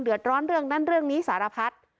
เดือดร้อนเรื่องนั้นเรื่องนี้สารพัด